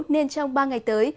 nên trong ba ngày tới